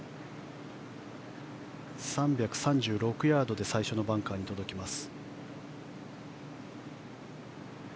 ３３６ヤードで最初のバンカーに届きます。